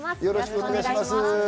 よろしくお願いします。